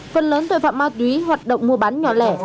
phần lớn tội phạm ma túy hoạt động mua bán nhỏ lẻ